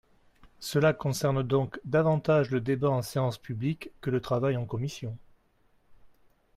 Cela concerne donc davantage le débat en séance publique que le travail en commission.